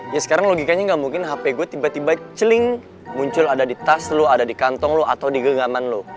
ya sekarang logikanya nggak mungkin hp gue tiba tiba celing muncul ada di tas lo ada di kantong lo atau di genggaman lo